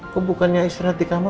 kok bukannya istri hati kamu